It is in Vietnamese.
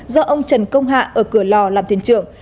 do ông trần công hạ ở cửa lò làm thuyền trưởng